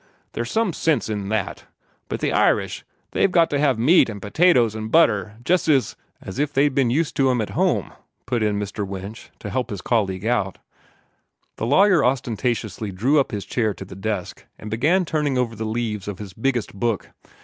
There's some sense in THAT; but the Irish, they've got to have meat an' potatoes an' butter jest as if as if " "As if they'd b'en used to 'em at home," put in Mr. Winch, to help his colleague out. The lawyer ostentatiously drew up his chair to the desk, and began turning over the leaves of his biggest book.